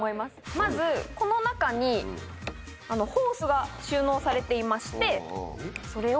まずこの中にホースが収納されていましてそれを。